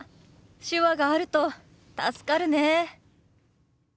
手話があると助かるね。